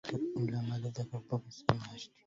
ألا ما لذاك الظبي صير مهجتي